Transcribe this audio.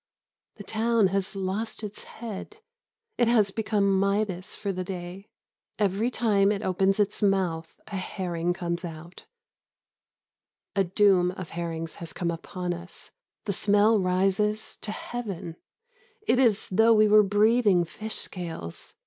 The town has lost its head. It has become Midas for the day. Every time it opens its mouth a herring comes out. A doom of herrings has come upon us. The smell rises to heaven. It is as though we were breathing fish scales.